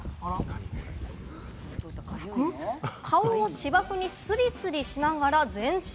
顔を芝生にスリスリしながら前進。